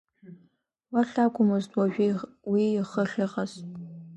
Уахь акәымызт уажә уи ихы ахьыҟаз.